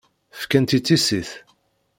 Fkant-tt i tissit.